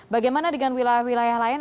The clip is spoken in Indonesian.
bagaimana dengan wilayah wilayah lain